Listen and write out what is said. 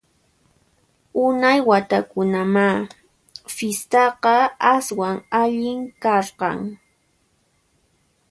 Unay watakunamá fistaqa aswan allin karqan!